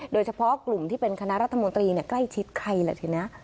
โดยเฉพาะกลุ่มที่เป็นคณะรัฐมนตรีใกล้ชิดใครแหละทีนี้